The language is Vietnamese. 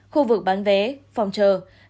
khu vực bán vé phòng chờ